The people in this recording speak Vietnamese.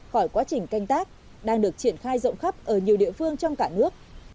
khỏi quá trình canh tác đang được triển khai rộng khắp ở nhiều địa phương trong cả nước